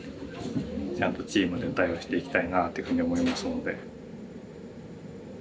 ちゃんとチームで対応していきたいなっていうふうに思いますので。